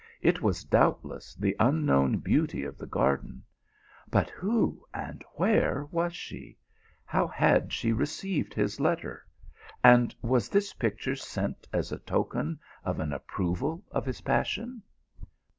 It was, doubtless, the unknown beauty of the garden : but who an:l where was she how had she v eceived his letter and was this picture sent as a token of an approval of his passion